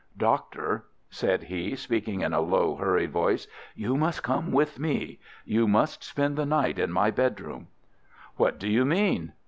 "Doctor," said he, speaking in a low, hurried voice, "you must come with me. You must spend the night in my bedroom." "What do you mean?"